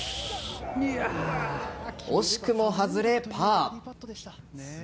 惜しくも外れ、パー。